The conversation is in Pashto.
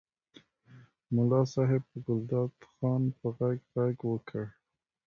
ملا صاحب په ګلداد خان په غږ غږ وکړ.